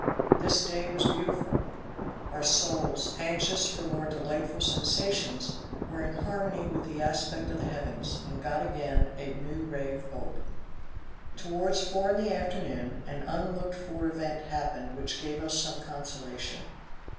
This day was beautiful. Our souls, anxious for more delightful sensations, were in harmony with the aspect of the heavens, and got again a new ray of hope. Towards four in the afternoon, an unlooked for event happened which gave us some consolation.